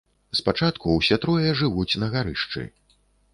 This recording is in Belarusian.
Спачатку ўсе трое жывуць на гарышчы.